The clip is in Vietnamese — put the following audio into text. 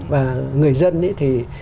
và người dân thì